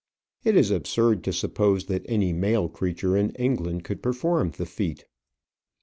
It is absurd to suppose that any male creature in England could perform the feat.